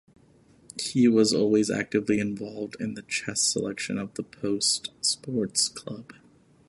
He was always actively involved in the chess section of the post sports club.